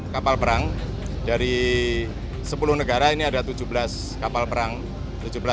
kapal perang dari sepuluh negara ini ada tujuh belas kapal perang